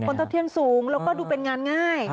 ผลตอบแทนสูงแล้วก็ดูเป็นงานง่าย